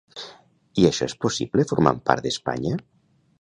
I això és possible formant part d'Espanya?